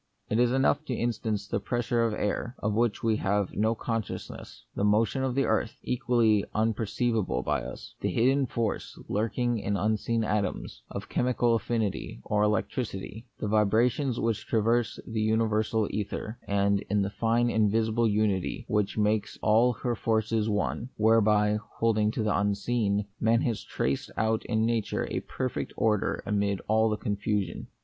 It is enough to instance the pres sure of the air, of which we have no con sciousness, the motion of the earth, equally 22 The Mystery of Pain. unperceivable by us ; the hidden force, lurk ing in unseen atoms, of chemical affinity, or electricity : the vibrations which traverse the universal ether ; and, in fine, that invisible unity which makes all her forces one, where by (holding to the unseen) man has traced out in nature a perfect order amid all con fusion.